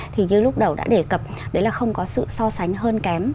thì như lúc đầu đã đề cập đấy là không có sự so sánh hơn kém